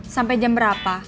sampai jam berapa